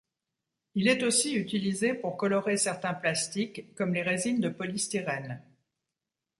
Il est aussi utilisé pour colorer certains plastiques, comme les résines de polystyrène.